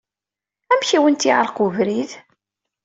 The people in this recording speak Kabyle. Amek ay awent-yeɛreq ubrid?